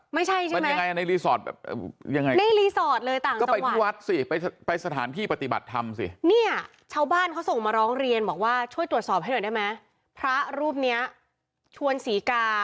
ไม่ใช่แล้วได้ไหมไม่ใช่ใช่ไหมเป็นยังไงในรีสอร์ท